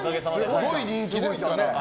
すごい人気ですからね。